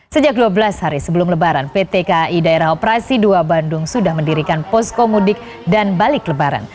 sejak dua belas hari sebelum lebaran pt kai daerah operasi dua bandung sudah mendirikan posko mudik dan balik lebaran